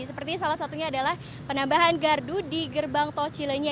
seperti salah satunya adalah penambahan gardu di gerbang tol cilenyi